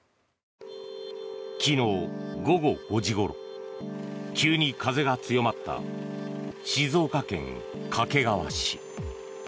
昨日午後５時ごろ急に風が強まった静岡県掛川市。